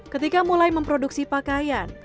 ketika mulai memproduksi pakaian